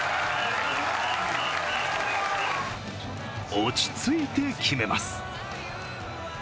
落ち着いて決めます。